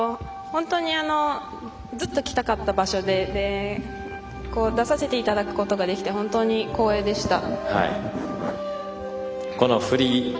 本当にずっと来たかった場所で出させていただくことができて本当に光栄でした。